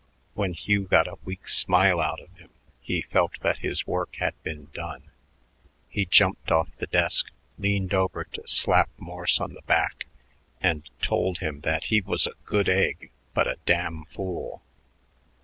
When Hugh got a weak smile out of him, he felt that his work had been done. He jumped off the desk, leaned over to slap Morse on the back, and told him that he was a good egg but a damn fool.